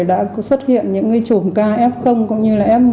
đã xuất hiện những cái chủng ca f cũng như là f một